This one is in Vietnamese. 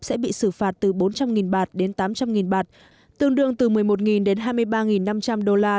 sẽ bị xử phạt từ bốn trăm linh bạt đến tám trăm linh bạt tương đương từ một mươi một đến hai mươi ba năm trăm linh đô la